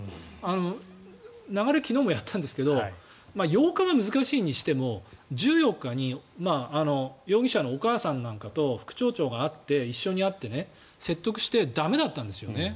流れを昨日もやったんですが８日は難しいにしても１４日に容疑者のお母さんと副町長が一緒に会って説得して駄目だったんですよね。